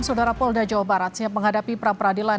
saudara polda jawa barat siap menghadapi pra peradilan